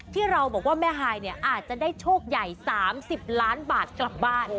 ที่เราบอกว่าแม่ฮายเนี่ยอาจจะได้โชคใหญ่๓๐ล้านบาทกลับบ้าน